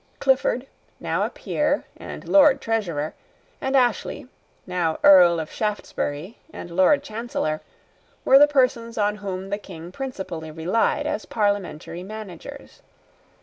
Clifford, now a peer and Lord Treasurer, and Ashley, now Earl of Shaftesbury and Lord Chancellor, were the persons on whom the King principally relied as Parliamentary managers.